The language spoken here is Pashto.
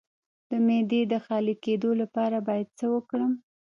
د معدې د خالي کیدو لپاره باید څه وکړم؟